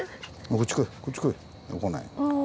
こっち来いこっち来い来ない。